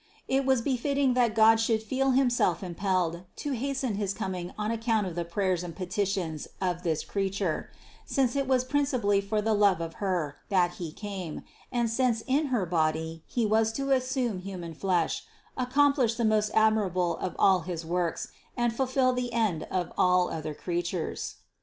It was befitting that God should feel Himself impelled to hasten his coming on account of the prayers and petitions of this Crea ture ; since it was principally for the love of Her that He came, and since in Her body He was to assume human flesh, accomplish the most admirable of all his works, and fulfill the end of all other creatures.